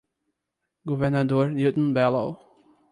Governador Newton Bello